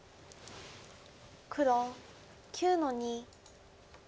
黒９の二。